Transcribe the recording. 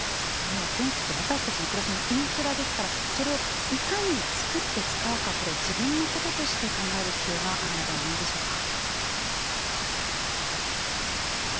もう電気って私たちの暮らしのインフラですからそれをいかに作って使うかこれ自分のこととして考える必要があるのではないでしょうか。